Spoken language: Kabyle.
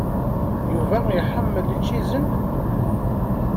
Yuba iḥemmel ičizen?